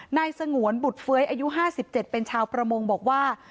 นายสงวนบุดเฟ้ยอายุห้าสิบเจ็ดเป็นชาวประมงบอกว่า